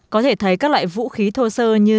có thể thấy các loại vũ khí thô sơ như